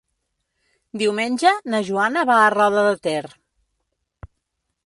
Diumenge na Joana va a Roda de Ter.